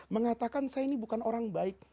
mengatakan saya ini bukan orang baik